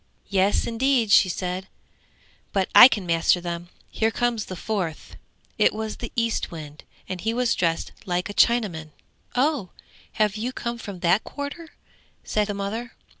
'Yes, indeed,' she said; 'but I can master them! Here comes the fourth.' It was the Eastwind, and he was dressed like a Chinaman. 'Oh, have you come from that quarter?' said the mother.